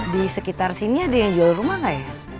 di sekitar sini ada yang jual rumah nggak ya